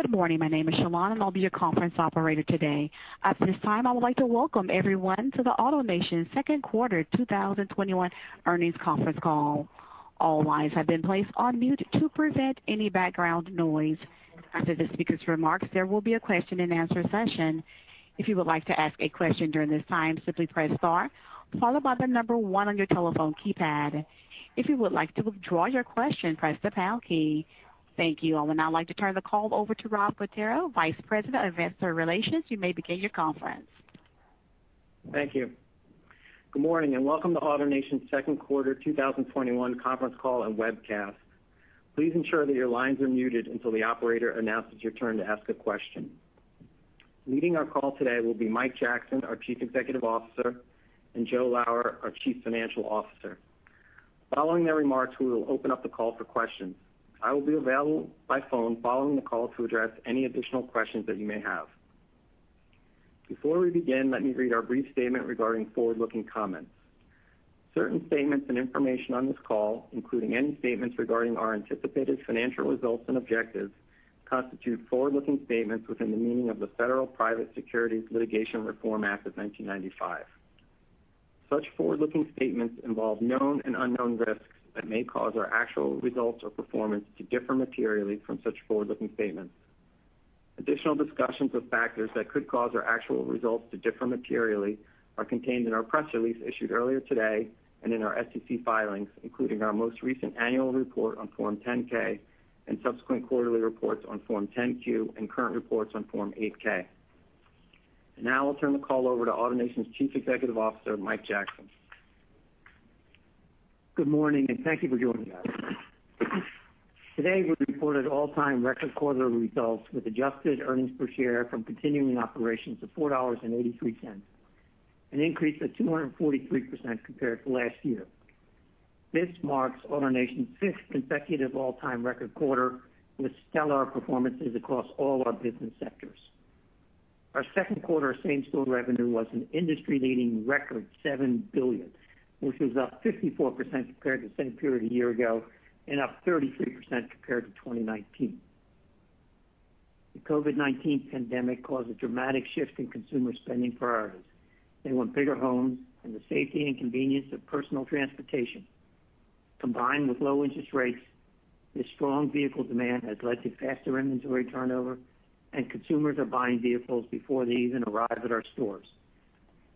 Good morning. My name is Shalona, and I'll be your conference operator today. At this time, I would like to welcome everyone to the AutoNation Second Quarter 2021 Earnings Conference Call. All lines have been placed on mute to prevent any background noise. After the speaker's remarks, there will be a question and answer session. If you would like to ask a question during this time, simply press star followed by one on your telephone keypad. If you would like to withdraw your question, press the pound key. Thank you. I would now like to turn the call over to Rob Quartaro, Vice President of Investor Relations. You may begin your conference. Thank you. Good morning, welcome to AutoNation's Second Quarter 2021 Conference Call and Webcast. Please ensure that your lines are muted until the operator announces your turn to ask a question. Leading our call today will be Mike Jackson, our Chief Executive Officer, and Joe Lower, our Chief Financial Officer. Following their remarks, we will open up the call for questions. I will be available by phone following the call to address any additional questions that you may have. Before we begin, let me read our brief statement regarding forward-looking comments. Certain statements and information on this call, including any statements regarding our anticipated financial results and objectives, constitute forward-looking statements within the meaning of the Federal Private Securities Litigation Reform Act of 1995. Such forward-looking statements involve known and unknown risks that may cause our actual results or performance to differ materially from such forward-looking statements. Additional discussions of factors that could cause our actual results to differ materially are contained in our press release issued earlier today and in our SEC filings, including our most recent annual report on Form 10-K and subsequent quarterly reports on Form 10-Q and current reports on Form 8-K. Now I'll turn the call over to AutoNation's Chief Executive Officer, Mike Jackson. Good morning, and thank you for joining us. Today, we reported all-time record quarterly results with adjusted earnings per share from continuing operations of $4.83, an increase of 243% compared to last year. This marks AutoNation's fifth consecutive all-time record quarter with stellar performances across all our business sectors. Our second quarter same-store revenue was an industry-leading record $7 billion, which was up 54% compared to the same period a year ago and up 33% compared to 2019. The COVID-19 pandemic caused a dramatic shift in consumer spending priorities. They want bigger homes and the safety and convenience of personal transportation. Combined with low interest rates, this strong vehicle demand has led to faster inventory turnover, and consumers are buying vehicles before they even arrive at our stores.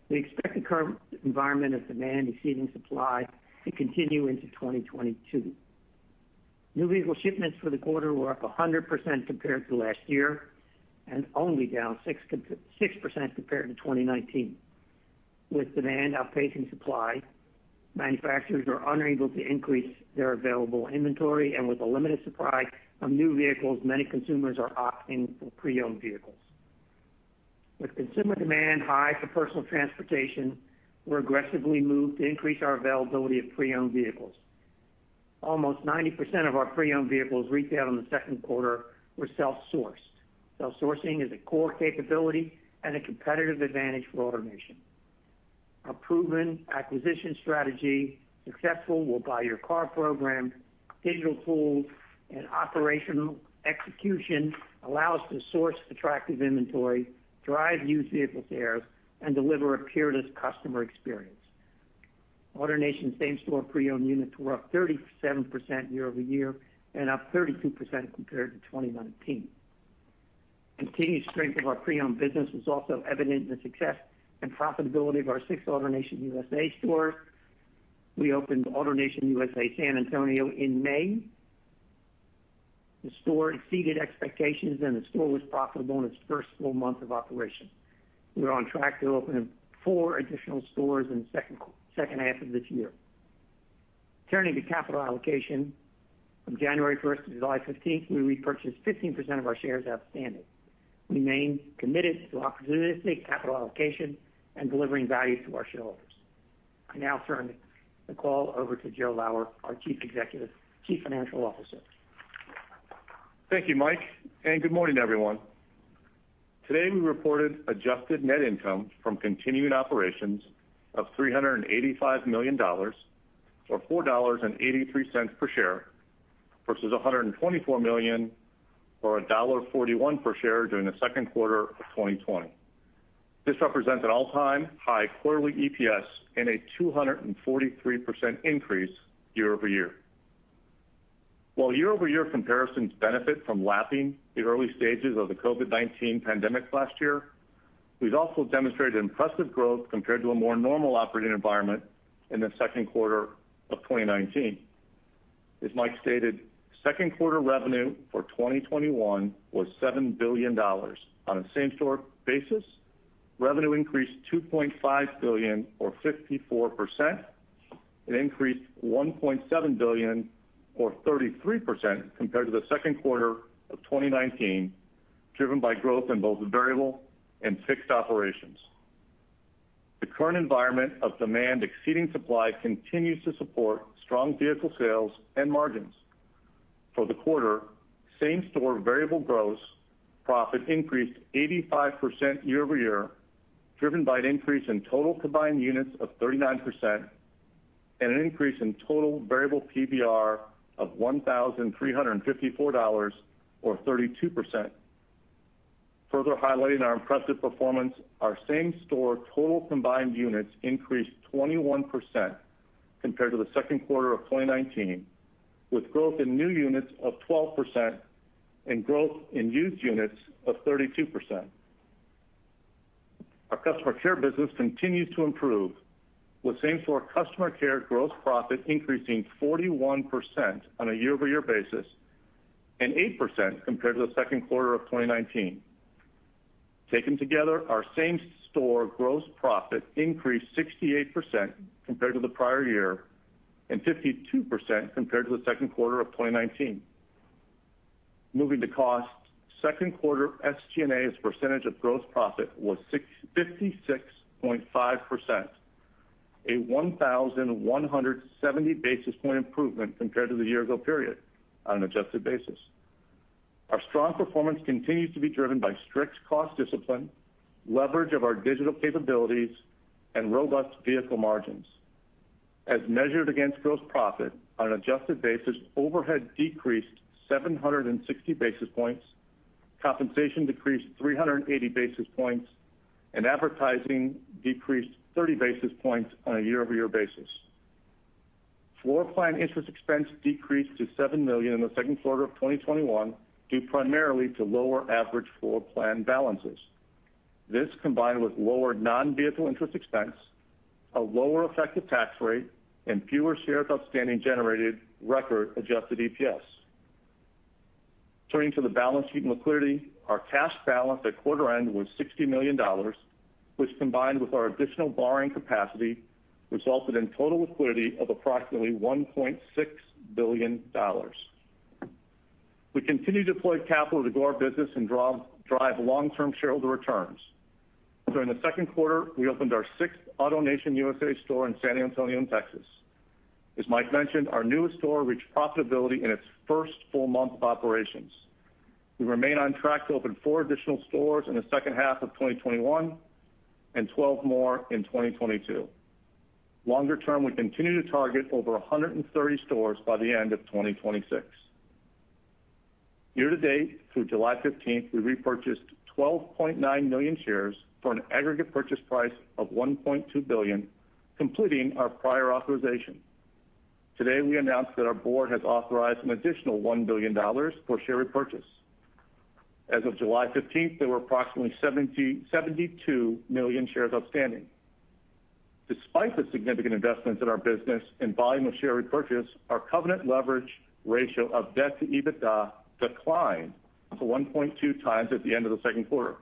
We expect the current environment of demand exceeding supply to continue into 2022. New vehicle shipments for the quarter were up 100% compared to last year and only down 6% compared to 2019. With demand outpacing supply, manufacturers are unable to increase their available inventory, and with a limited supply of new vehicles, many consumers are opting for pre-owned vehicles. With consumer demand high for personal transportation, we aggressively moved to increase our availability of pre-owned vehicles. Almost 90% of our pre-owned vehicles retailed in the second quarter were self-sourced. Self-sourcing is a core capability and a competitive advantage for AutoNation. Our proven acquisition strategy, successful We'll Buy Your Car program, digital tools, and operational execution allow us to source attractive inventory, drive used vehicle sales, and deliver a peerless customer experience. AutoNation same-store pre-owned units were up 37% year-over-year and up 32% compared to 2019. Continued strength of our pre-owned business was also evident in the success and profitability of our sixth AutoNation USA store. We opened AutoNation USA San Antonio in May. The store exceeded expectations and the store was profitable in its first full month of operation. We're on track to open four additional stores in the second half of this year. Turning to capital allocation, from January 1st to July 15th, we repurchased 15% of our shares outstanding. We remain committed to opportunistic capital allocation and delivering value to our shareholders. I now turn the call over to Joe Lower, our Chief Financial Officer. Thank you, Mike. Good morning, everyone. Today, we reported adjusted net income from continuing operations of $385 million, or $4.83 per share, versus $124 million, or $1.41 per share during the second quarter of 2020. This represents an all-time high quarterly EPS and a 243% increase year-over-year. While year-over-year comparisons benefit from lapping the early stages of the COVID-19 pandemic last year, we've also demonstrated impressive growth compared to a more normal operating environment in the second quarter of 2019. As Mike stated, second quarter revenue for 2021 was $7 billion. On a same-store basis, revenue increased $2.5 billion or 54%, an increase of $1.7 billion or 33% compared to the second quarter of 2019, driven by growth in both variable and fixed operations. The current environment of demand exceeding supply continues to support strong vehicle sales and margins. For the quarter, same-store variable gross profit increased 85% year-over-year, driven by an increase in total combined units of 39% and an increase in total variable PVR of $1,354 or 32%. Further highlighting our impressive performance, our same-store total combined units increased 21% compared to the second quarter of 2019, with growth in new units of 12% and growth in used units of 32%. Our customer care business continues to improve, with same-store customer care gross profit increasing 41% on a year-over-year basis and 8% compared to the second quarter of 2019. Taken together, our same-store gross profit increased 68% compared to the prior year and 52% compared to the second quarter of 2019. Moving to cost, second quarter SG&A as a percentage of gross profit was 56.5%, a 1,170 basis point improvement compared to the year-ago period on an adjusted basis. Our strong performance continues to be driven by strict cost discipline, leverage of our digital capabilities, and robust vehicle margins. As measured against gross profit on an adjusted basis, overhead decreased 760 basis points, compensation decreased 380 basis points, and advertising decreased 30 basis points on a year-over-year basis. Floorplan interest expense decreased to $7 million in the second quarter of 2021, due primarily to lower average floorplan balances. This combined with lower non-vehicle interest expense, a lower effective tax rate, and fewer shares outstanding generated record adjusted EPS. Turning to the balance sheet liquidity, our cash balance at quarter end was $60 million, which combined with our additional borrowing capacity, resulted in total liquidity of approximately $1.6 billion. We continue to deploy capital to grow our business and drive long-term shareholder returns. During the second quarter, we opened our sixth AutoNation USA store in San Antonio, Texas. As Mike mentioned, our newest store reached profitability in its first full month of operations. We remain on track to open four additional stores in the second half of 2021 and 12 more in 2022. Longer term, we continue to target over 130 stores by the end of 2026. Year to date, through July 15th, we repurchased 12.9 million shares for an aggregate purchase price of $1.2 billion, completing our prior authorization. Today, we announced that our board has authorized an additional $1 billion for share repurchase. As of July 15th, there were approximately 72 million shares outstanding. Despite the significant investments in our business and volume of share repurchase, our covenant leverage ratio of debt to EBITDA declined to 1.2x at the end of the second quarter,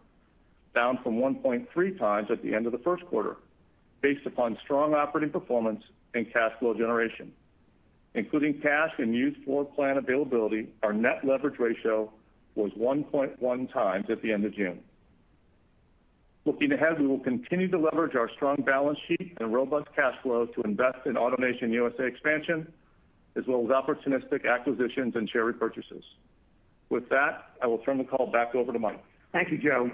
down from 1.3x at the end of the first quarter, based upon strong operating performance and cash flow generation. Including cash and used floorplan availability, our net leverage ratio was 1.1x at the end of June. Looking ahead, we will continue to leverage our strong balance sheet and robust cash flow to invest in AutoNation USA expansion, as well as opportunistic acquisitions and share repurchases. With that, I will turn the call back over to Mike. Thank you, Joe.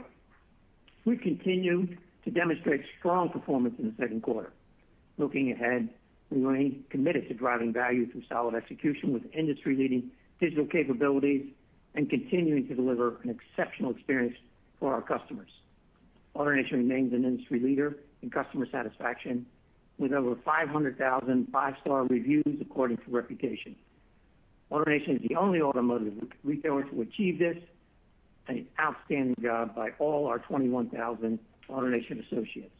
We continued to demonstrate strong performance in the second quarter. Looking ahead, we remain committed to driving value through solid execution with industry-leading digital capabilities and continuing to deliver an exceptional experience for our customers. AutoNation remains an industry leader in customer satisfaction with over 500,000 five-star reviews according to Reputation. AutoNation is the only automotive retailer to achieve this. An outstanding job by all our 21,000 AutoNation associates.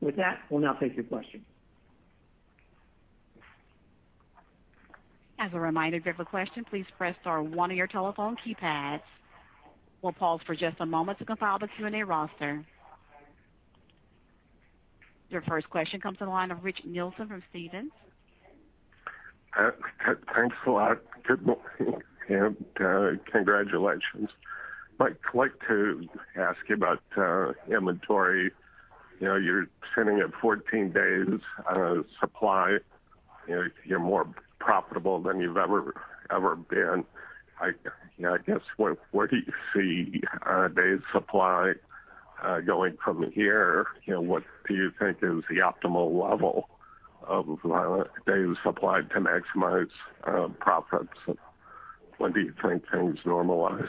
With that, we'll now take your questions. As a reminder, if you have a question, please press star one on your telephone keypads. We'll pause for just a moment to compile the Q&A roster. Your first question comes to the line of Richard Nelson from Stephens. Thanks a lot. Good morning. Congratulations. Mike, I'd like to ask you about inventory. You're sitting at 14 days supply. You're more profitable than you've ever been. I guess, where do you see days supply going from here? What do you think is the optimal level of days supply to maximize profits? When do you think things normalize?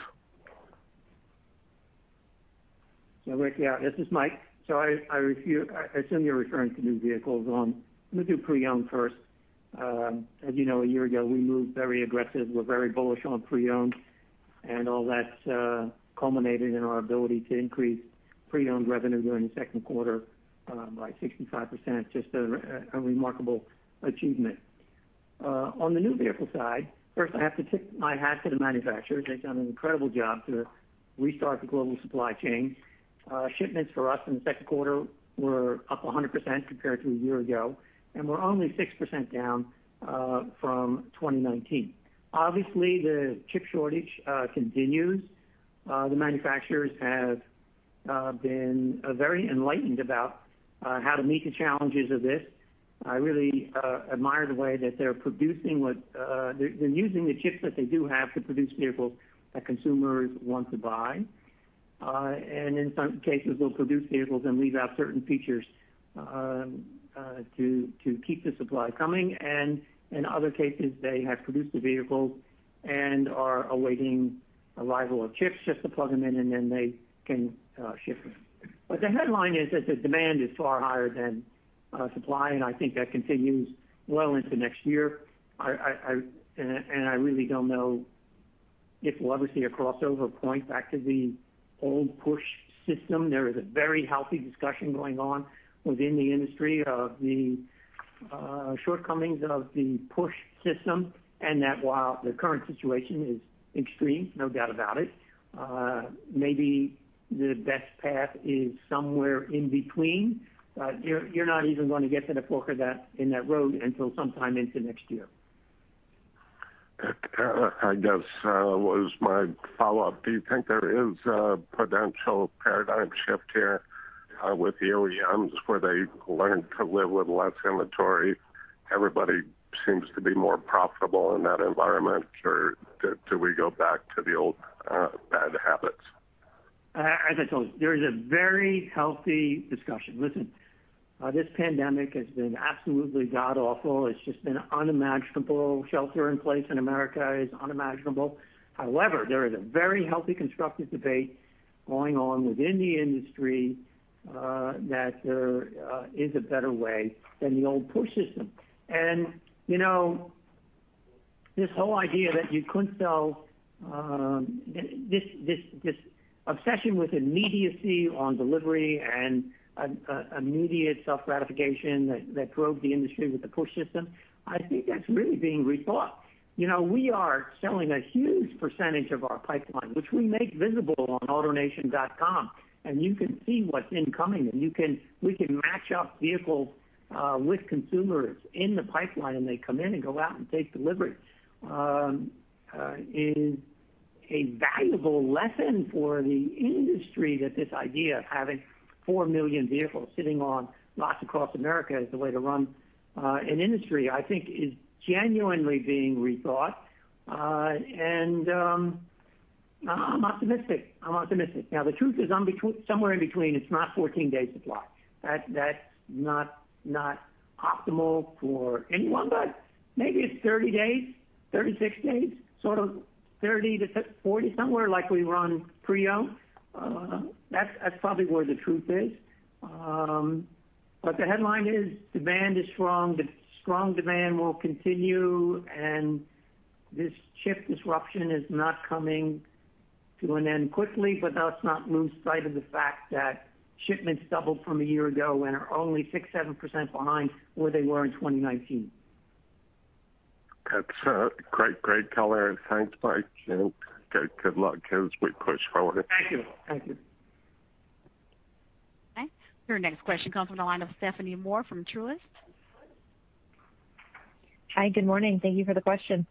Richard. This is Mike. I assume you're referring to new vehicles. Let me do pre-owned first. As you know, a year ago, we moved very aggressive. We're very bullish on pre-owned, and all that's culminated in our ability to increase pre-owned revenue during the second quarter by 65%, just a remarkable achievement. On the new vehicle side, first, I have to tip my hat to the manufacturers. They've done an incredible job to restart the global supply chain. Shipments for us in the second quarter were up 100% compared to a year ago, and we're only 6% down from 2019. Obviously, the chip shortage continues. The manufacturers have been very enlightened about how to meet the challenges of this. I really admire the way that they're using the chips that they do have to produce vehicles that consumers want to buy. In some cases, they'll produce vehicles and leave out certain features to keep the supply coming. In other cases, they have produced the vehicles and are awaiting arrival of chips just to plug them in, and then they can ship them. The headline is that the demand is far higher than supply, and I think that continues well into next year. I really don't know if we'll ever see a crossover point back to the old push system. There is a very healthy discussion going on within the industry of the shortcomings of the push system, and that while the current situation is extreme, no doubt about it, maybe the best path is somewhere in between. You're not even going to get to the fork in that road until sometime into next year. That, I guess, was my follow-up. Do you think there is a potential paradigm shift here with the OEMs where they learn to live with less inventory? Everybody seems to be more profitable in that environment. Do we go back to the old bad habits? As I told you, there is a very healthy discussion. Listen, this pandemic has been absolutely god-awful. It's just been unimaginable. Shelter in place in America is unimaginable. However, there is a very healthy, constructive debate going on within the industry that there is a better way than the old push system. This whole idea that you couldn't sell, this obsession with immediacy on delivery and immediate self-gratification that drove the industry with the push system, I think that's really being rethought. We are selling a huge percentage of our pipeline, which we make visible on autonation.com, and you can see what's incoming, and we can match up vehicles with consumers in the pipeline, and they come in and go out and take delivery, is a valuable lesson for the industry, that this idea of having 4 million vehicles sitting on lots across America as the way to run an industry, I think, is genuinely being rethought. I'm optimistic. The truth is somewhere in between. It's not 14 days supply. That's not optimal for anyone, but maybe it's 30 days, 36 days, sort of 30 to 40 days, somewhere like we run pre-owned. That's probably where the truth is. The headline is demand is strong, the strong demand will continue, and this chip disruption is not coming to an end quickly. Let's not lose sight of the fact that shipments doubled from a year ago and are only 6%, 7% behind where they were in 2019. That's great color. Thanks, Mike, and good luck as we push forward. Thank you. Okay. Your next question comes from the line of Stephanie Moore from Truist. Hi. Good morning. Thank you for the question.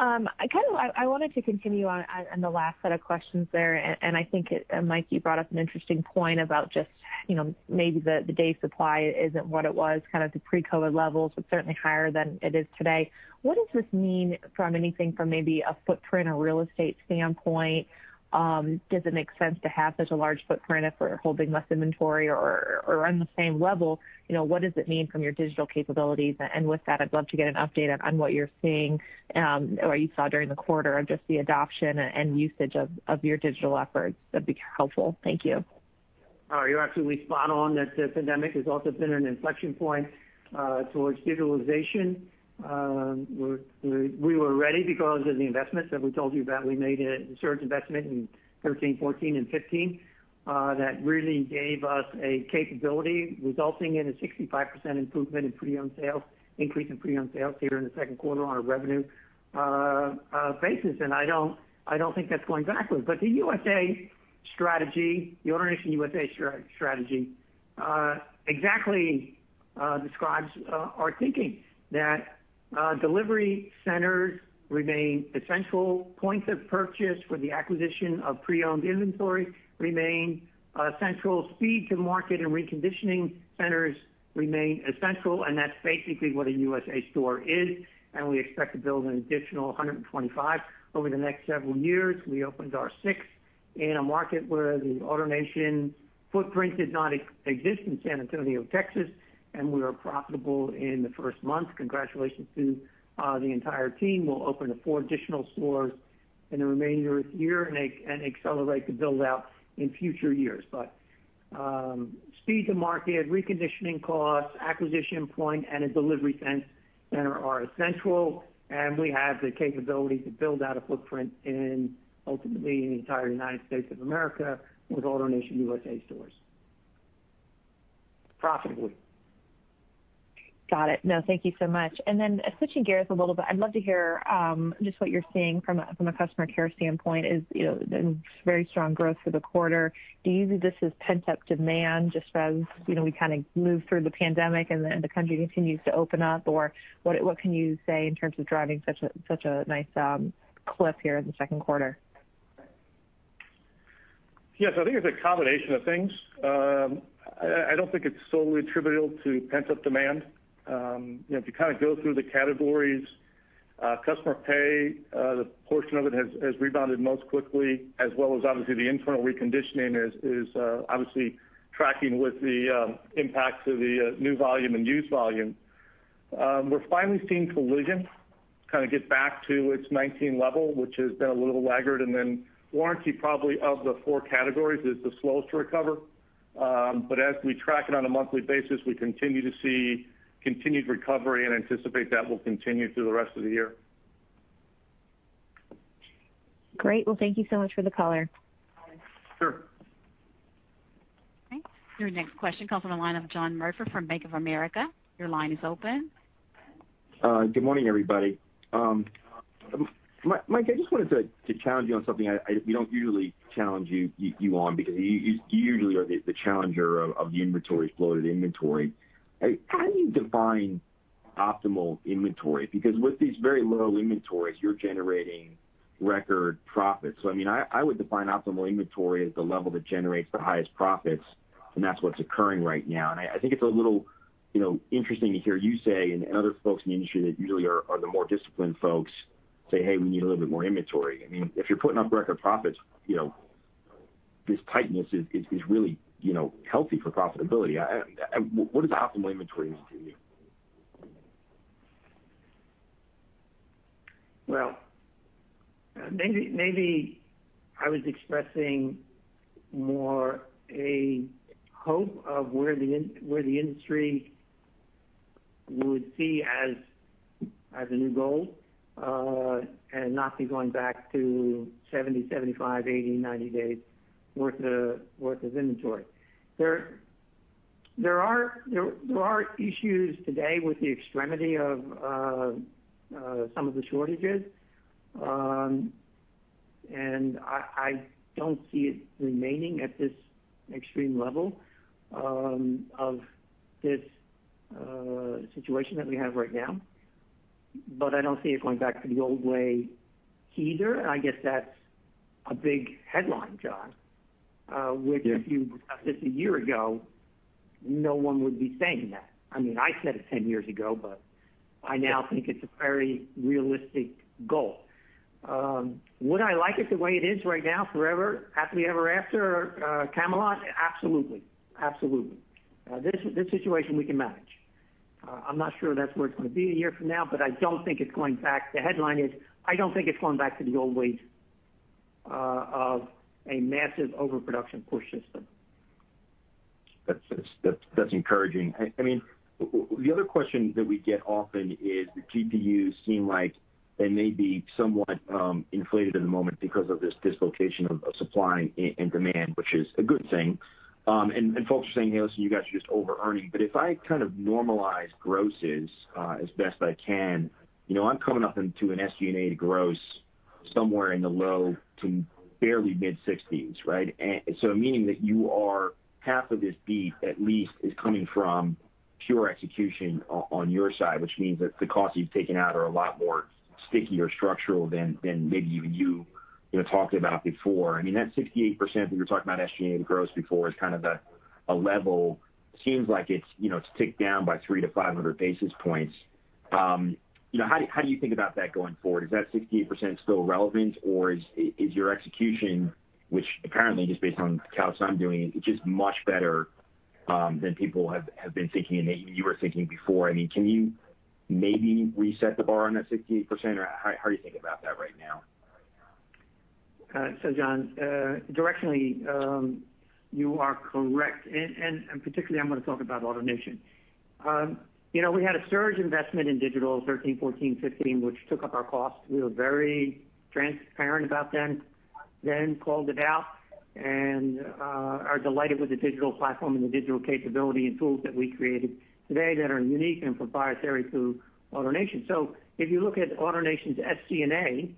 I wanted to continue on the last set of questions there, I think, Mike, you brought up an interesting point about just maybe the day supply isn't what it was, kind of the pre-COVID levels, but certainly higher than it is today. What does this mean from anything from maybe a footprint or real estate standpoint? Does it make sense to have such a large footprint if we're holding less inventory or on the same level? What does it mean from your digital capabilities? With that, I'd love to get an update on what you're seeing or you saw during the quarter of just the adoption and usage of your digital efforts. That'd be helpful. Thank you. You're absolutely spot on that the pandemic has also been an inflection point towards digitalization. We were ready because of the investments that we told you about. We made a huge investment in 2013, 2014, and 2015 that really gave us a capability resulting in a 65% improvement in pre-owned sales, increase in pre-owned sales here in the second quarter on a revenue basis, and I don't think that's going backwards. The AutoNation USA strategy exactly describes our thinking, that delivery centers remain essential. Points of purchase for the acquisition of pre-owned inventory remain essential. Speed to market and reconditioning centers remain essential, and that's basically what a USA store is, and we expect to build an additional 125 over the next several years. We opened our sixth in a market where the AutoNation footprint did not exist, in San Antonio, Texas. We were profitable in the first month. Congratulations to the entire team. We'll open four additional stores in the remainder of the year and accelerate the build-out in future years. Speed to market, reconditioning costs, acquisition point, and a delivery center are essential, and we have the capability to build out a footprint in, ultimately, the entire United States of America with AutoNation USA stores, profitably. Got it. No, thank you so much. Then switching gears a little bit, I'd love to hear just what you're seeing from a customer care standpoint is very strong growth for the quarter. Do you view this as pent-up demand, just as we kind of move through the pandemic and the country continues to open up, or what can you say in terms of driving such a nice clip here in the second quarter? Yes, I think it's a combination of things. I don't think it's solely attributable to pent-up demand. If you go through the categories, customer pay, the portion of it has rebounded most quickly, as well as obviously the internal reconditioning is obviously tracking with the impact to the new volume and used volume. We're finally seeing collision kind of get back to its 2019 level, which has been a little laggard, and then warranty probably of the four categories is the slowest to recover. As we track it on a monthly basis, we continue to see continued recovery and anticipate that will continue through the rest of the year. Great. Well, thank you so much for the color. Sure. Okay. Your next question comes from the line of John Murphy from Bank of America. Your line is open. Good morning, everybody. Mike, I just wanted to challenge you on something we don't usually challenge you on because you usually are the challenger of the inventory, floated inventory. How do you define optimal inventory? Because with these very low inventories, you're generating record profits. I mean, I would define optimal inventory as the level that generates the highest profits, and that's what's occurring right now. I think it's a little interesting to hear you say, and other folks in the industry that usually are the more disciplined folks say, "Hey, we need a little bit more inventory." If you're putting up record profits, this tightness is really healthy for profitability. What does optimal inventory mean to you? Well, maybe I was expressing more a hope of where the industry would see as a new goal and not be going back to 70, 75, 80, 90 days worth of inventory. There are issues today with the extremity of some of the shortages. I don't see it remaining at this extreme level of this situation that we have right now. I don't see it going back to the old way either, and I guess that's a big headline, John- Yeah which if you discussed this a year ago, no one would be saying that. I said it 10 years ago, I now think it's a very realistic goal. Would I like it the way it is right now forever, happily ever after, Camelot. Absolutely. This situation we can manage. I'm not sure that's where it's going to be a year from now, I don't think it's going back. The headline is, I don't think it's going back to the old ways of a massive overproduction push system. That's encouraging. The other question that we get often is the GPUs seem like they may be somewhat inflated at the moment because of this dislocation of supply and demand, which is a good thing. Folks are saying, "Hey, listen, you guys are just over-earning." If I normalize grosses as best I can, I'm coming up into an SG&A gross somewhere in the low to barely mid-60s, right? Meaning that you are half of this beat at least is coming from pure execution on your side, which means that the costs you've taken out are a lot more sticky or structural than maybe even you talked about before. That 68% that you were talking about SG&A gross before is kind of a level, seems like it's ticked down by 300-500 basis points. How do you think about that going forward? Is that 68% still relevant, or is your execution, which apparently just based on the calculus I'm doing, just much better than people have been thinking and that you were thinking before? Can you maybe reset the bar on that 68%, or how are you thinking about that right now? John, directionally you are correct. Particularly, I'm going to talk about AutoNation. We had a surge investment in digital 2013, 2014, 2015, which took up our costs. We were very transparent about them, then called it out, and are delighted with the digital platform and the digital capability and tools that we created today that are unique and proprietary to AutoNation. If you look at AutoNation's SG&A,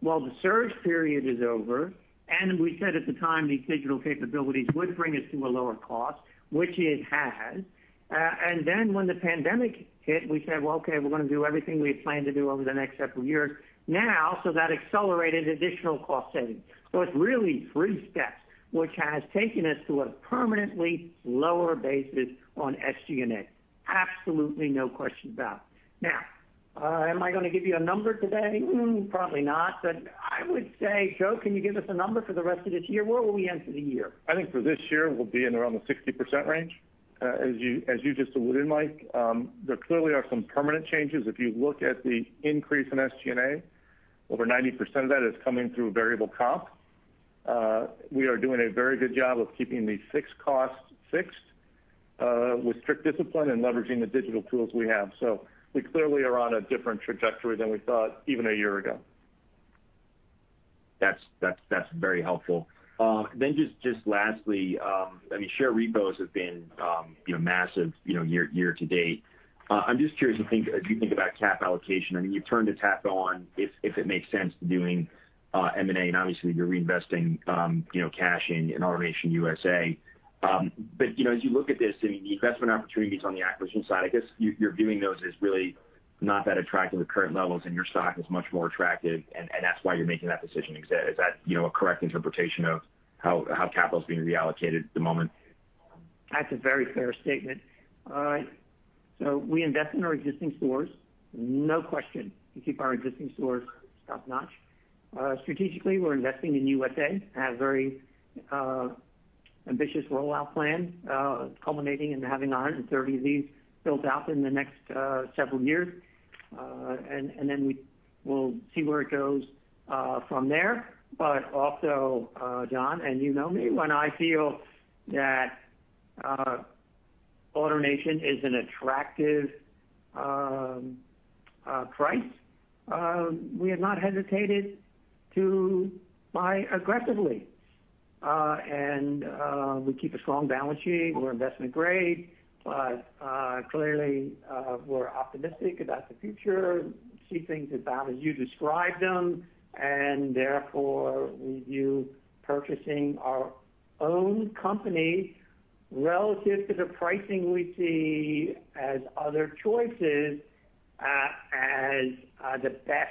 while the surge period is over, and we said at the time these digital capabilities would bring us to a lower cost, which it has. Then when the pandemic hit, we said, "Well, okay, we're going to do everything we had planned to do over the next several years now." That accelerated additional cost savings. It's really 3 steps, which has taken us to a permanently lower basis on SG&A. Absolutely, no question about it. Am I going to give you a number today? Probably not. I would say, Joe, can you give us a number for the rest of this year? Where will we end for the year? I think for this year, we'll be in around the 60% range. As you just alluded, Mike, there clearly are some permanent changes. If you look at the increase in SG&A, over 90% of that is coming through variable comp. We are doing a very good job of keeping the fixed costs fixed with strict discipline and leveraging the digital tools we have. We clearly are on a different trajectory than we thought even 1 year ago. That's very helpful. Just lastly, share repos have been massive year to date. I'm just curious as you think about cap allocation, you've turned the tap on if it makes sense doing M&A, and obviously you're reinvesting cash in AutoNation USA. As you look at this, the investment opportunities on the acquisition side, I guess you're viewing those as really not that attractive at current levels, and your stock is much more attractive, and that's why you're making that decision. Is that a correct interpretation of how capital is being reallocated at the moment? That's a very fair statement. We invest in our existing stores, no question, to keep our existing stores top-notch. Strategically, we're investing in AutoNation USA, have very ambitious rollout plan, culminating in having 130 of these built out in the next several years. We will see where it goes from there. Also, John, and you know me, when I feel that AutoNation is an attractive price, we have not hesitated to buy aggressively. We keep a strong balance sheet. We're investment grade, but clearly, we're optimistic about the future, see things about as you describe them, and therefore we view purchasing our own company relative to the pricing we see as other choices, as the best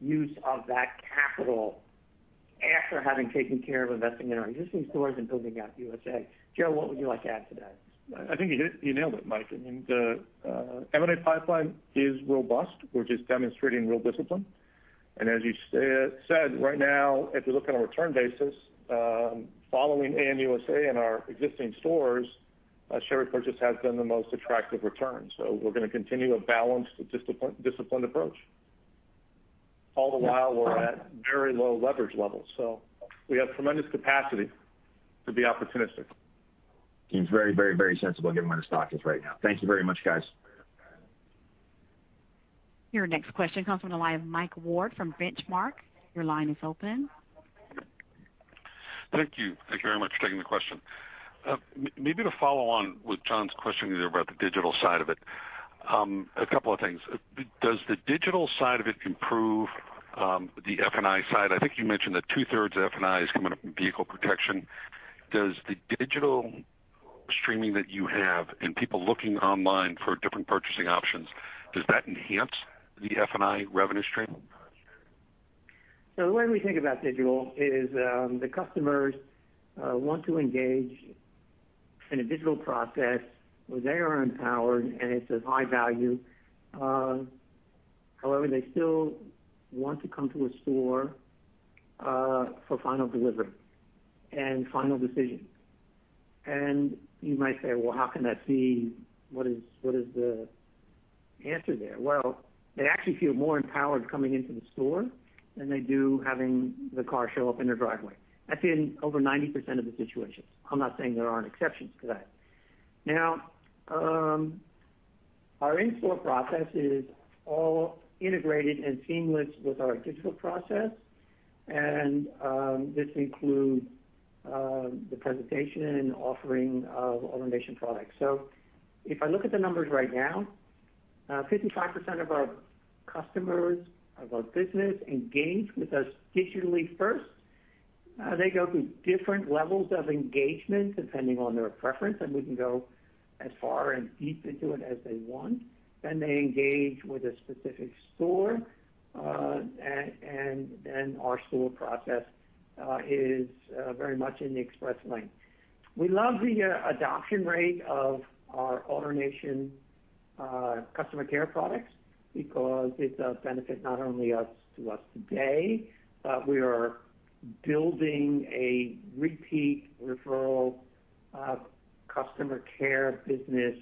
use of that capital after having taken care of investing in our existing stores and building out AutoNation USA. Joe, what would you like to add to that? I think you nailed it, Mike. I mean, the M&A pipeline is robust. We're just demonstrating real discipline. As you said, right now, if you look on a return basis, following AN USA and our existing stores, share repurchase has been the most attractive return. We're going to continue a balanced, disciplined approach. All the while, we're at very low leverage levels, so we have tremendous capacity to be opportunistic. Seems very sensible given where the stock is right now. Thank you very much, guys. Your next question comes from the line of Mike Ward from Benchmark. Your line is open. Thank you. Thank you very much for taking the question. Maybe to follow on with John's question there about the digital side of it. A couple of things. Does the digital side of it improve the F&I side? I think you mentioned that two-thirds of F&I is coming up from vehicle protection. Does the digital streaming that you have and people looking online for different purchasing options, does that enhance the F&I revenue stream? The way we think about digital is the customers want to engage in a digital process where they are empowered, and it's of high value. However, they still want to come to a store for final delivery and final decision. You might say, "Well, how can that be? What is the answer there." Well, they actually feel more empowered coming into the store than they do having the car show up in their driveway. That's in over 90% of the situations. I'm not saying there aren't exceptions to that. Now, our in-store process is all integrated and seamless with our digital process, and this includes the presentation and offering of AutoNation products. If I look at the numbers right now, 55% of our customers of our business engage with us digitally first. They go through different levels of engagement depending on their preference, and we can go as far and deep into it as they want. They engage with a specific store, and then our store process is very much in the express lane. We love the adoption rate of our AutoNation customer care products because it benefits not only us to us today, but we are building a repeat referral customer care business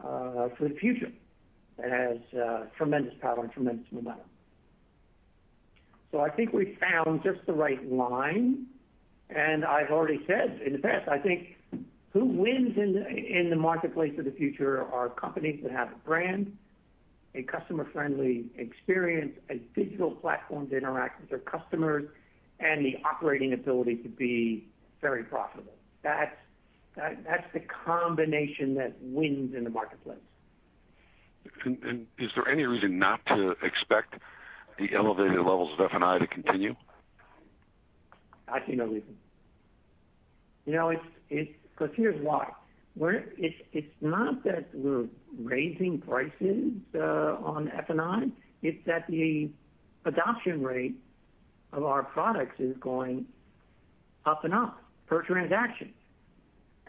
for the future that has tremendous power and tremendous momentum. I think we found just the right line, and I've already said in the past, I think who wins in the marketplace of the future are companies that have a brand, a customer-friendly experience, a digital platform to interact with their customers, and the operating ability to be very profitable. That's the combination that wins in the marketplace. Is there any reason not to expect the elevated levels of F&I to continue? I see no reason. Because here's why. It's not that we're raising prices on F&I. It's that the adoption rate of our products is going up and up per transaction.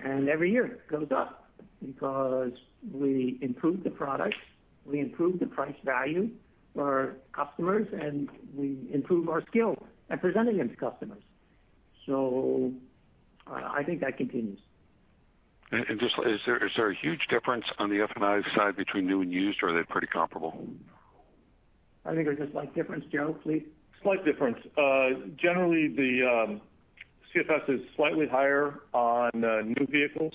Every year it goes up because we improve the products, we improve the price value for our customers, and we improve our skill at presenting them to customers. I think that continues. Just is there a huge difference on the F&I side between new and used, or are they pretty comparable? I think there's a slight difference. Joe, please. Slight difference. Generally, the CFS is slightly higher on new vehicles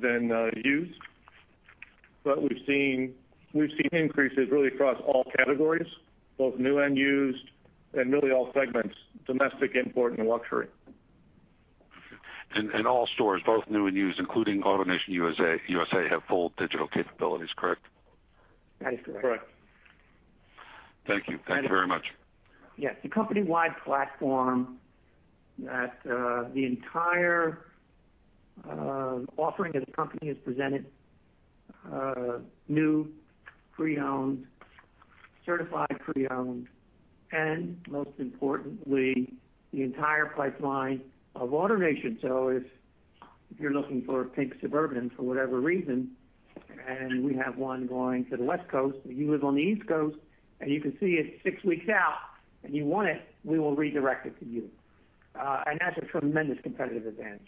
than used, but we've seen increases really across all categories, both new and used, and really all segments, domestic, import, and luxury. All stores, both new and used, including AutoNation USA, have full digital capabilities, correct? That is correct. Correct. Thank you. Thank you very much. Yes. The company-wide platform that the entire offering of the company has presented, new, pre-owned, Certified pre-owned, and most importantly, the entire pipeline of AutoNation. If you're looking for a pink Suburban, for whatever reason, and we have one going to the West Coast, but you live on the East Coast and you can see it six weeks out and you want it, we will redirect it to you. That's a tremendous competitive advantage.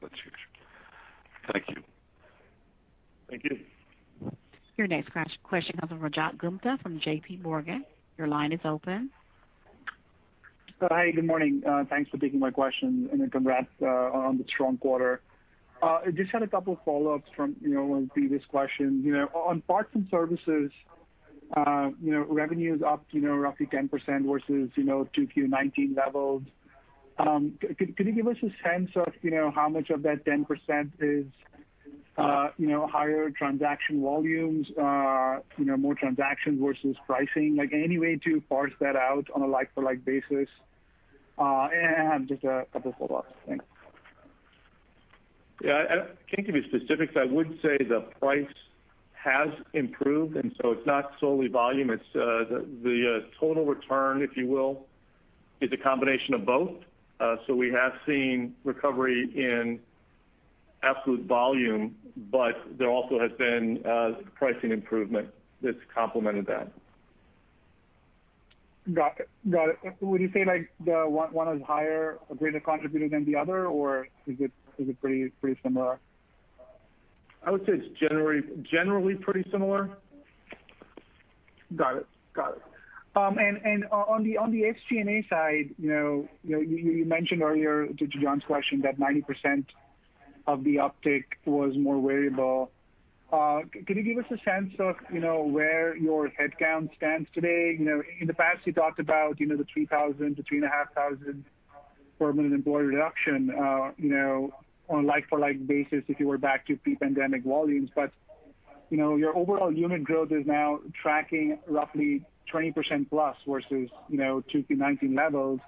That's huge. Thank you. Thank you. Your next question comes from Rajat Gupta from J.P. Morgan. Your line is open. Hi, good morning. Thanks for taking my question and congrats on the strong quarter. Just had a couple follow-ups from one of the previous questions. On parts and services, revenue's up roughly 10% versus 2Q19 levels. Could you give us a sense of how much of that 10% is higher transaction volumes, more transactions versus pricing? Any way to parse that out on a like-for-like basis? Just a couple follow-ups. Thanks. Yeah, I can't give you specifics. I would say the price has improved, and so it's not solely volume. It's the total return, if you will, is a combination of both. We have seen recovery in absolute volume, but there also has been pricing improvement that's complemented that. Got it. Would you say one is a greater contributor than the other, or is it pretty similar? I would say it's generally pretty similar. Got it. On the SG&A side, you mentioned earlier to John's question that 90% of the uptick was more variable. Could you give us a sense of where your headcount stands today? In the past, you talked about the 3,000-3,500 permanent employee reduction, on a like-for-like basis, if you were back to pre-pandemic volumes. Your overall unit growth is now tracking roughly 20%+ versus 2Q19 levels.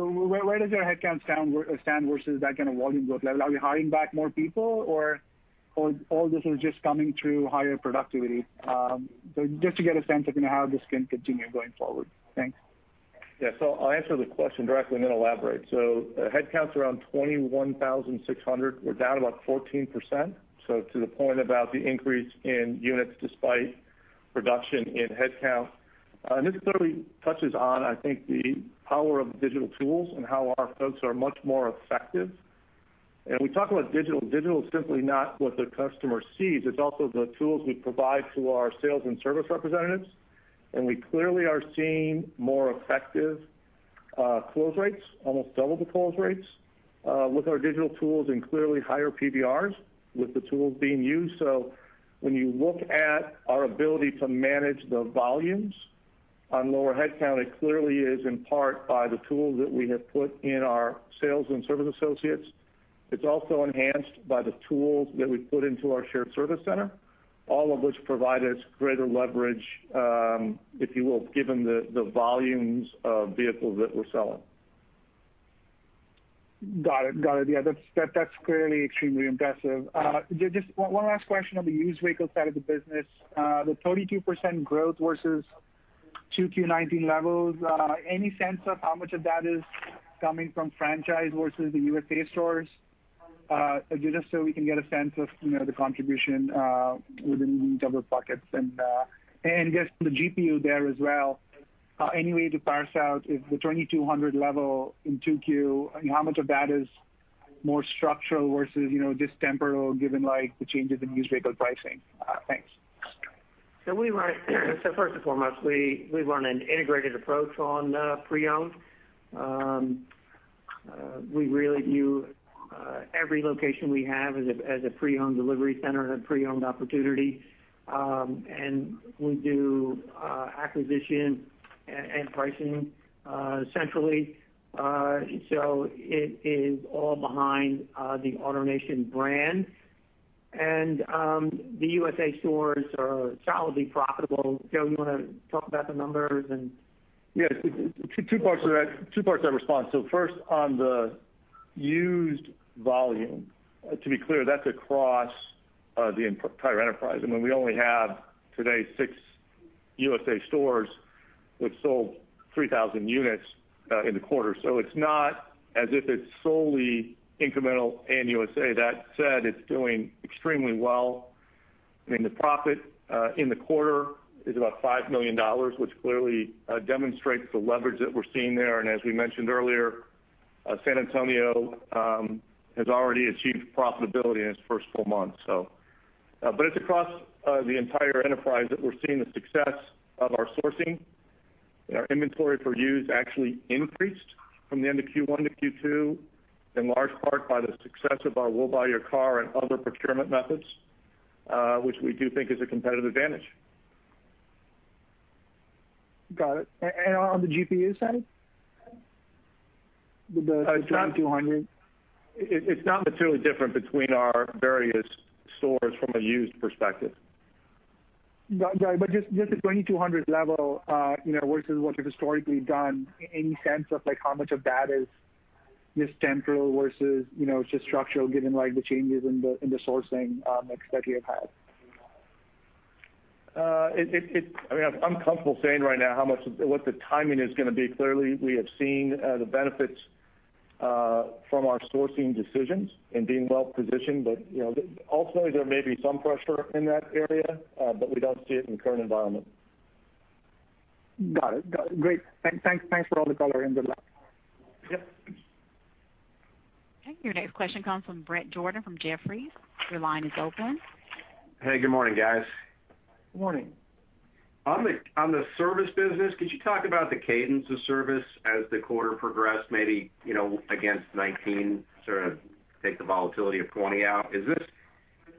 Where does your headcount stand versus that kind of volume growth level? Are you hiring back more people or all this is just coming through higher productivity? Just a to get a sense of how this can continue going forward. Thanks. I'll answer the question directly and then elaborate. Headcount's around 21,600. We're down about 14%. To the point about the increase in units despite reduction in headcount, this clearly touches on, I think, the power of digital tools and how our folks are much more effective. We talk about digital is simply not what the customer sees. It's also the tools we provide to our sales and service representatives, we clearly are seeing more effective close rates, almost double the close rates, with our digital tools and clearly higher PVRs with the tools being used. When you look at our ability to manage the volumes on lower headcount, it clearly is in part by the tools that we have put in our sales and service associates. It's also enhanced by the tools that we put into our shared service center, all of which provide us greater leverage, if you will, given the volumes of vehicles that we're selling. Got it. Yeah, that's clearly extremely impressive. Just 1 last question on the used vehicle side of the business. The 32% growth versus 2Q19 levels, any sense of how much of that is coming from franchise versus the USA stores? Just so we can get a sense of the contribution within each of the pockets. Just the GPU there as well, any way to parse out if the $2,200 level in 2Q, how much of that is more structural versus just temporal given the changes in used vehicle pricing? Thanks. First and foremost, we run an integrated approach on pre-owned. We really view every location we have as a pre-owned delivery center and a pre-owned opportunity. We do acquisition and pricing centrally. It is all behind the AutoNation brand. The USA stores are solidly profitable. Joe, you want to talk about the numbers and? Yes. Two parts to that response. First, on the used volume, to be clear, that's across the entire enterprise. I mean, we only have today 6 USA stores, which sold 3,000 units in the quarter. It's not as if it's solely incremental in USA. That said, it's doing extremely well. I mean, the profit in the quarter is about $5 million, which clearly demonstrates the leverage that we're seeing there. As we mentioned earlier, San Antonio has already achieved profitability in its first full month. It's across the entire enterprise that we're seeing the success of our sourcing, and our inventory for used actually increased from the end of Q1 to Q2, in large part by the success of our We'll Buy Your Car and other procurement methods, which we do think is a competitive advantage. Got it. On the GPU side? The $2,200. It's not materially different between our various stores from a used perspective. Got it. Just the 2,200 level, versus what you've historically done, any sense of how much of that is just temporal versus just structural, given the changes in the sourcing mix that you have had? I'm comfortable saying right now what the timing is going to be. Clearly, we have seen the benefits from our sourcing decisions and being well-positioned. Ultimately, there may be some pressure in that area, but we don't see it in the current environment. Got it. Great. Thanks for all the color and good luck. Yep. Okay, your next question comes from Bret Jordan from Jefferies. Your line is open. Hey, good morning, guys. Morning. On the service business, could you talk about the cadence of service as the quarter progressed, maybe against 2019, sort of take the volatility of 2020 out? Is this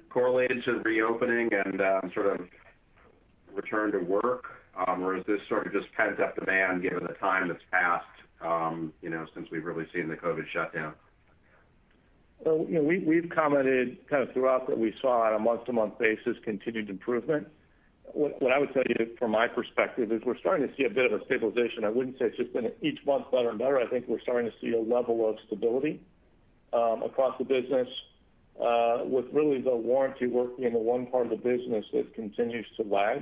correlated to the reopening and sort of return to work? Or is this sort of just pent-up demand given the time that's passed since we've really seen the COVID shutdown? We've commented kind of throughout that we saw on a month-to-month basis continued improvement. What I would tell you from my perspective is we're starting to see a bit of a stabilization. I wouldn't say it's just been each month better and better. I think we're starting to see a level of stability across the business with really the warranty work being the 1 part of the business that continues to lag.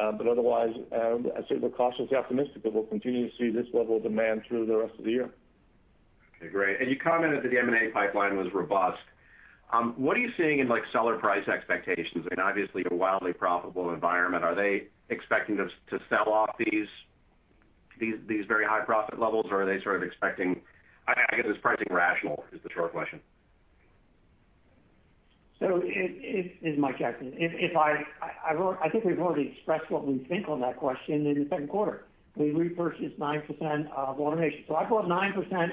Otherwise, I'd say we're cautiously optimistic that we'll continue to see this level of demand through the rest of the year. Okay, great. You commented the M&A pipeline was robust. What are you seeing in seller price expectations? I mean, obviously, a wildly profitable environment. Are they expecting to sell off these very high profit levels, or are they sort of expecting, I guess, is pricing rational, is the short question. Is Mike Jackson. I think we've already expressed what we think on that question in the second quarter. We repurchased 9% of AutoNation. I bought 9%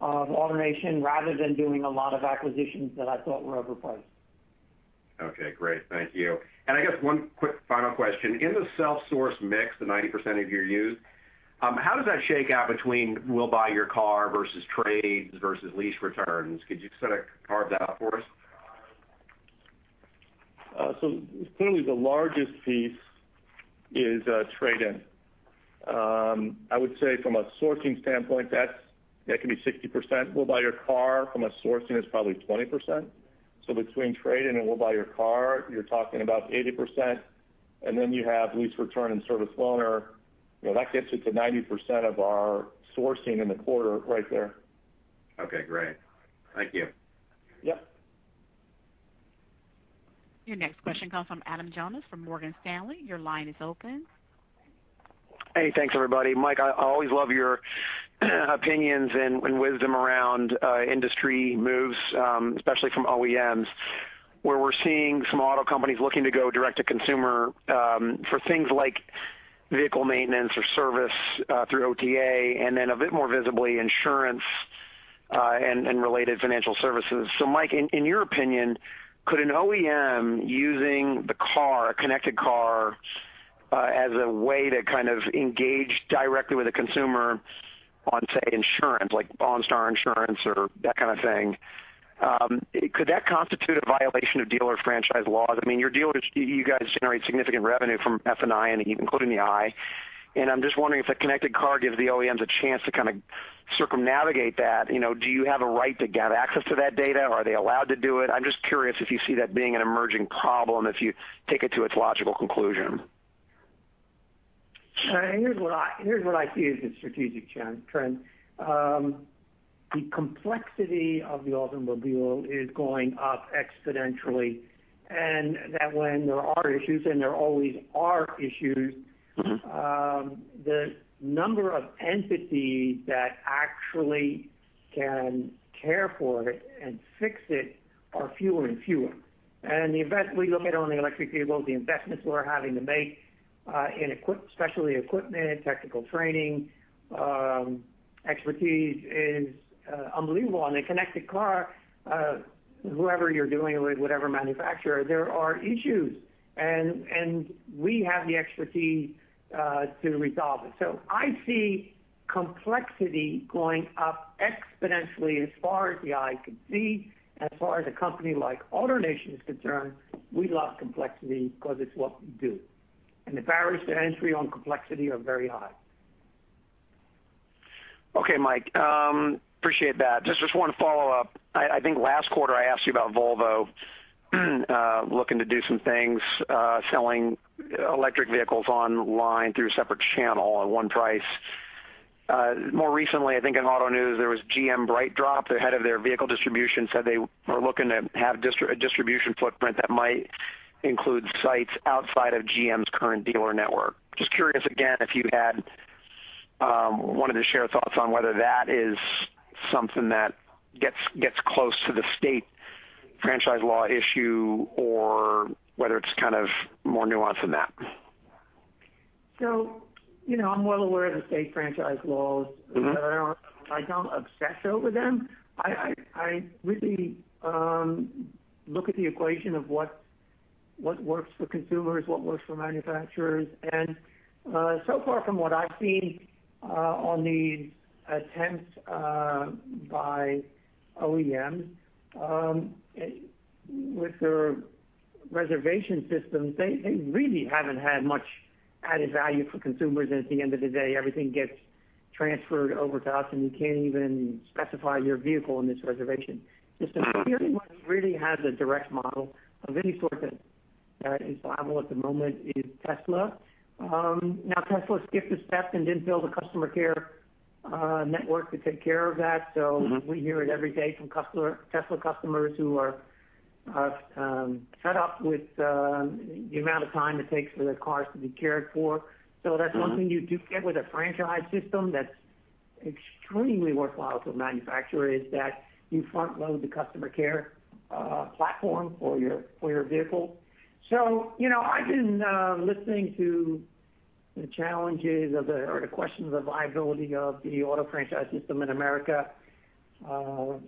of AutoNation rather than doing a lot of acquisitions that I thought were overpriced. Okay, great. Thank you. I guess one quick final question. In the self-source mix, the 90% of your used, how does that shake out between We'll Buy Your Car versus trades versus lease returns? Could you sort of carve that out for us? Clearly, the largest piece is trade-in. I would say from a sourcing standpoint, that can be 60%. We'll Buy Your Car from a sourcing is probably 20%. Between trade-in and We'll Buy Your Car, you are talking about 80%. You have lease return and service loaner. That gets you to 90% of our sourcing in the quarter right there. Okay, great. Thank you. Yep. Your next question comes from Adam Jonas from Morgan Stanley. Your line is open. Hey, thanks everybody. Mike, I always love your opinions and wisdom around industry moves, especially from OEMs, where we're seeing some auto companies looking to go direct-to-consumer for things like vehicle maintenance or service through OTA, and then a bit more visibly, insurance and related financial services. Mike, in your opinion, could an OEM using the car, a connected car as a way to kind of engage directly with a consumer on, say, insurance, like OnStar Insurance or that kind of thing, could that constitute a violation of dealer franchise laws? I mean, you guys generate significant revenue from F&I and including the I. I'm just wondering if a connected car gives the OEMs a chance to kind of circumnavigate that. Do you have a right to get access to that data? Are they allowed to do it? I'm just curious if you see that being an emerging problem, if you take it to its logical conclusion. Here's what I see as a strategic trend. The complexity of the automobile is going up exponentially, and that when there are issues, and there always are issues. The number of entities that actually can care for it and fix it are fewer and fewer. The event we look at on the electric vehicles, the investments we're having to make in specialty equipment, technical training, expertise is unbelievable. On a connected car, whoever you're doing it with, whatever manufacturer, there are issues, and we have the expertise to resolve it. I see complexity going up exponentially as far as the eye can see. As far as a company like AutoNation is concerned, we love complexity because it's what we do. The barriers to entry on complexity are very high. Okay, Mike. Appreciate that. Just one follow-up. I think last quarter I asked you about Volvo looking to do some things, selling electric vehicles online through a separate channel at one price. More recently, I think in AutoNews, there was GM BrightDrop, the head of their vehicle distribution, said they are looking to have a distribution footprint that might include sites outside of GM's current dealer network. Just curious again if you had wanted to share thoughts on whether that is something that gets close to the state franchise law issue or whether it's kind of more nuanced than that. I'm well aware of the state franchise laws. I don't obsess over them. I really look at the equation of what works for consumers, what works for manufacturers. So far from what I've seen on the attempts by OEMs with their. Reservation systems, they really haven't had much added value for consumers. At the end of the day, everything gets transferred over to us, and you can't even specify your vehicle in this reservation system. The only one who really has a direct model of any sort that is viable at the moment is Tesla. Tesla skipped a step and didn't build a customer care network to take care of that. We hear it every day from Tesla customers who are fed up with the amount of time it takes for their cars to be cared for. That's one thing you do get with a franchise system that's extremely worthwhile to a manufacturer, is that you front-load the customer care platform for your vehicle. I've been listening to the question of the viability of the auto franchise system in America for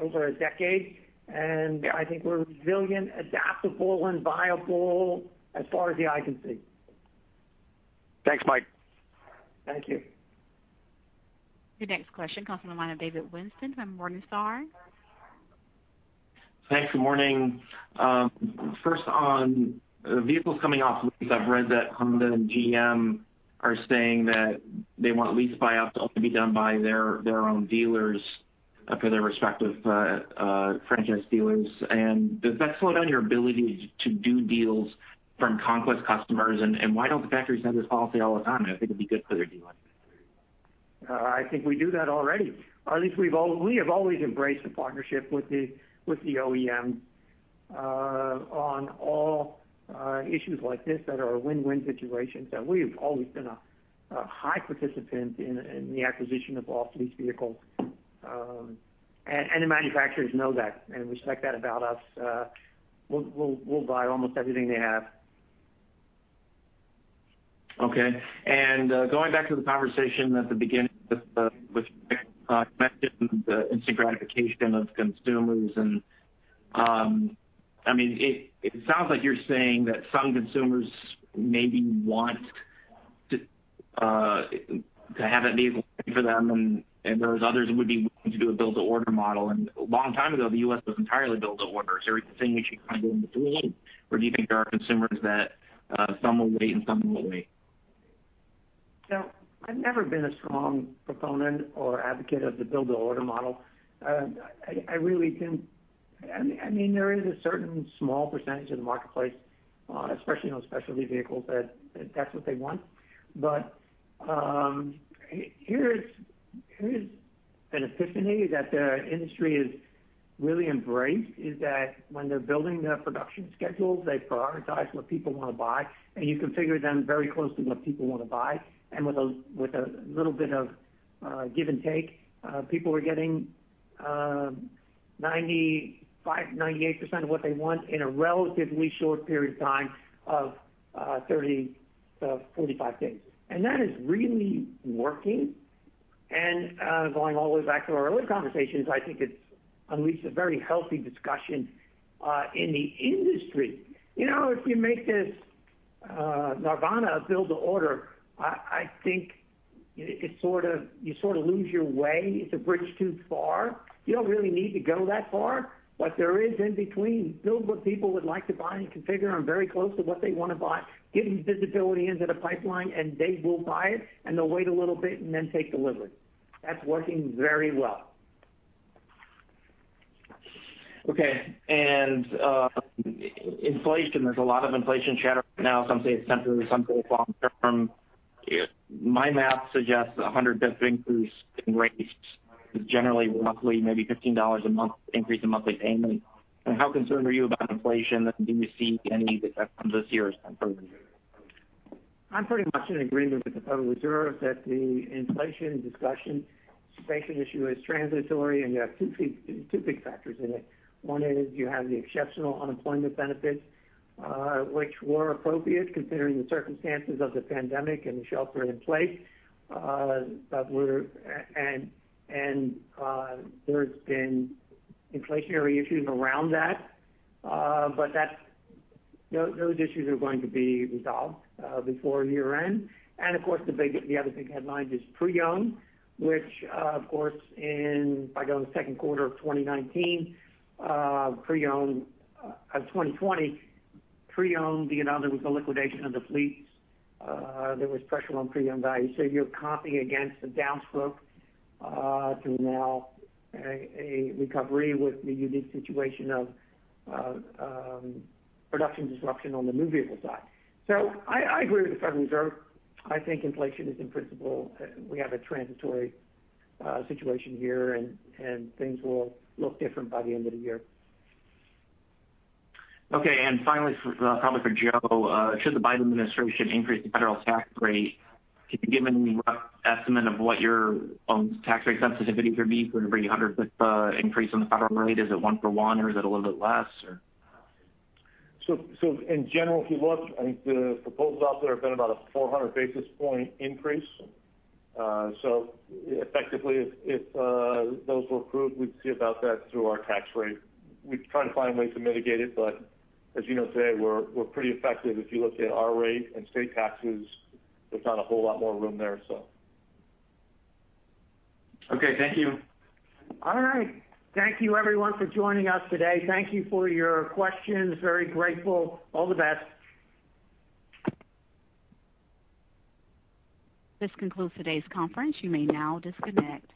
over a decade. I think we're resilient, adaptable, and viable as far as the eye can see. Thanks, Mike. Thank you. Your next question comes from the line of David Whiston from Morningstar. Thanks. Good morning. First on vehicles coming off lease, I've read that Honda and GM are saying that they want lease buyouts to only be done by their own dealers for their respective franchise dealers. Does that slow down your ability to do deals from conquest customers, and why don't the factories have this policy all the time? I think it'd be good for their dealers. I think we do that already, or at least we have always embraced the partnership with the OEM on all issues like this that are win-win situations. We have always been a high participant in the acquisition of off-lease vehicles. The manufacturers know that and respect that about us. We'll buy almost everything they have. Okay. Going back to the conversation at the beginning with Mike mentioned the instant gratification of consumers, it sounds like you're saying that some consumers maybe want to have that vehicle waiting for them, and there is others who would be willing to do a build-to-order model. A long time ago, the U.S. was entirely build-to-order. Everything we should kind of go into today, or do you think there are consumers that some will wait and some won't wait? I've never been a strong proponent or advocate of the build-to-order model. I really didn't. There is a certain small percentage of the marketplace, especially on specialty vehicles, that that's what they want. Here's an epiphany that the industry has really embraced, is that when they're building their production schedules, they prioritize what people want to buy, and you configure them very closely what people want to buy. With a little bit of give and take, people are getting 95%, 98% of what they want in a relatively short period of time of 30, 45 days. That is really working. Going all the way back to our earlier conversations, I think it's unleashed a very healthy discussion in the industry. If you make this nirvana build to order, I think you sort of lose your way. It's a bridge too far. You don't really need to go that far. What there is in between, build what people would like to buy and configure them very close to what they want to buy, give them visibility into the pipeline, and they will buy it, and they'll wait a little bit, and then take delivery. That's working very well. Okay. Inflation, there's a lot of inflation chatter now, some say it's temporary, some say it's long-term. My math suggests 100 basis increase in rates is generally roughly maybe $15 a month increase in monthly payment. How concerned are you about inflation? Do you see any effect on this year's improvement? I'm pretty much in agreement with the Federal Reserve that the inflation discussion, inflation issue is transitory. You have two big factors in it. One is you have the exceptional unemployment benefits, which were appropriate considering the circumstances of the pandemic and the shelter in place. There's been inflationary issues around that. Those issues are going to be resolved before year-end. Of course, the other big headline is pre-owned, which, of course, if I go to the second quarter of 2019, Of 2020, pre-owned, you know, there was the liquidation of the fleets. There was pressure on pre-owned values. You're comping against a down slope to now a recovery with the unique situation of production disruption on the new vehicle side. I agree with the Federal Reserve. I think inflation is, in principle, we have a transitory situation here, and things will look different by the end of the year. Okay, finally, probably for Joe, should the Biden administration increase the federal tax rate, can you give any rough estimate of what your own tax rate sensitivity would be for every 100 basis increase on the federal rate? Is it 1 for 1 or is it a little bit less, or? In general, if you look, I think the proposals out there have been about a 400 basis point increase. Effectively, if those were approved, we'd see about that through our tax rate. We'd try to find ways to mitigate it, but as you know, today, we're pretty effective. If you look at our rate and state taxes, there's not a whole lot more room there. Okay. Thank you. All right. Thank you everyone for joining us today. Thank you for your questions. Very grateful. All the best. This concludes today's conference. You may now disconnect.